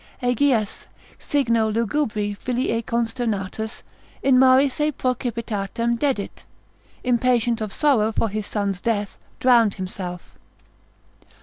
Aegeas, signo lugubri filii consternatus, in mare se proecipitatem dedit, impatient of sorrow for his son's death, drowned, himself.